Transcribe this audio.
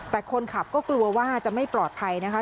แต่คนขับก็กลัวว่าจะไม่ปลอดภัยนะคะ